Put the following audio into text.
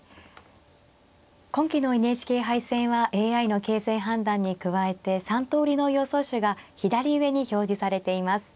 今期のＮＨＫ杯戦はＡＩの形勢判断に加えて３通りの予想手が左上に表示されています。